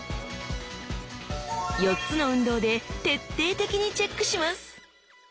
４つの運動で徹底的にチェックします！